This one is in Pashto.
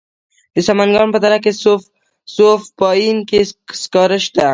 د سمنګان په دره صوف پاین کې سکاره شته.